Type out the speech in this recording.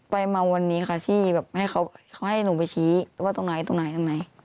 ไปมาวันนี้ค่ะที่แบบให้เขาให้หนูไปชี้ว่าตรงไหนตรงไหนตรงไหน